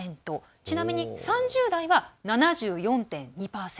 ちなみに３０代は７４．２％。